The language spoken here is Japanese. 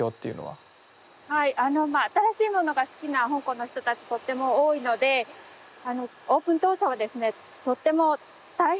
はいあのまあ新しいものが好きな香港の人たちとっても多いのでオープン当初はですねとっても大変なにぎわいでした。